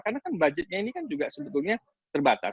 karena kan budgetnya ini kan juga sebetulnya terbatas